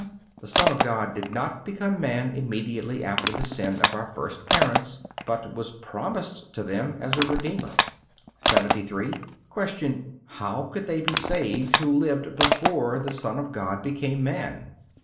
The Son of God did not become man immediately after the sin of our first parents, but was promised to them as a Redeemer. 73. Q. How could they be saved who lived before the Son of God became man?